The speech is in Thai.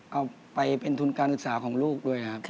เอาไปเป็นทุนการศึกษาของลูกด้วยครับ